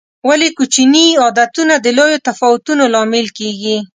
ولې کوچیني عادتونه د لویو تفاوتونو لامل کېږي؟